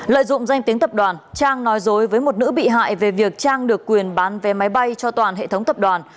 lợi dụng danh tiếng tập đoàn trang nói dối với một nữ bị hại về việc trang được quyền bán vé máy bay cho toàn hệ thống tập đoàn